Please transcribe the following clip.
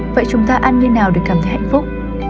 vậy chúng ta ăn như nào để cảm thấy hạnh phúc